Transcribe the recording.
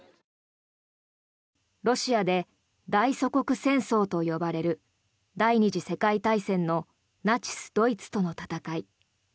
ロシアで大祖国戦争と呼ばれる第２次世界大戦のナチス・ドイツとの戦い。